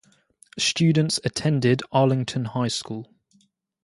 Students attend Arlington High School.